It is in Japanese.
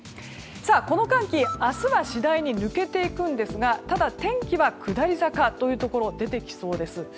この寒気明日は次第に抜けていきますがただ天気は下り坂というところが出てきそうです。